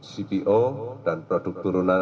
cpo dan produk turunan